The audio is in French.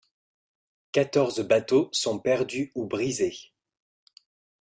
Quatorze bateaux sont perdus ou brisés.